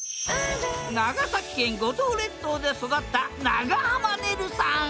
長崎県五島列島で育った長濱ねるさん。